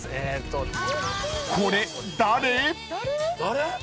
［これ誰？］